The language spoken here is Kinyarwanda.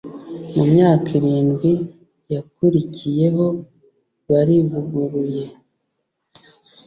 mu myaka irindwi yakurikiyeho barivuguruye